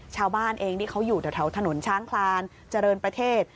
ชาวบ้านเองที่เขาอยู่แถวถนนช้างคลานเจริญประเทศ